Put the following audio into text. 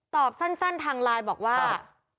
ตอบสั้นทางไลน์บอกว่า